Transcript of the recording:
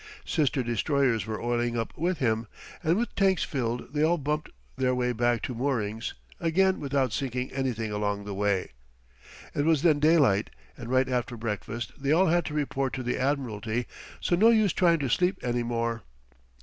Sister destroyers were oiling up with him, and with tanks filled they all bumped their way back to moorings, again without sinking anything along the way. It was then daylight, and right after breakfast they all had to report to the admiralty, so no use trying to sleep any more.